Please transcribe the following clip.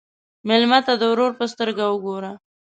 مېلمه ته د ورور په سترګه وګوره.